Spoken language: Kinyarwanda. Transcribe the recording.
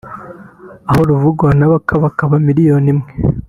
aho ruvugwa n’abakabakaba miliyari imwe